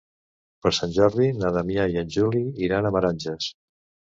Per Sant Jordi na Damià i en Juli iran a Meranges.